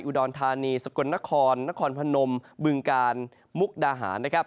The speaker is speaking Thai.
อุดรธานีสกลนครนครพนมบึงกาลมุกดาหารนะครับ